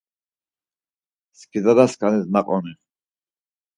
Skidalaskanis naqoni.